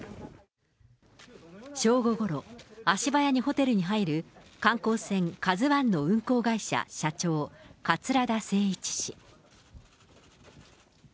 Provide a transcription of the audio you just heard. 正午ごろ、足早にホテルに入る、観光船カズワンの運航会社社長、桂田精一氏。